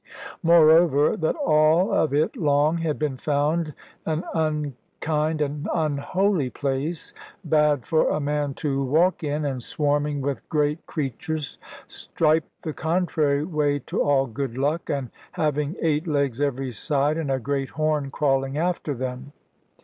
Moreover, that all of it long had been found an unkid and unholy place, bad for a man to walk in, and swarming with great creatures, striped the contrary way to all good luck, and having eight legs every side, and a great horn crawling after them.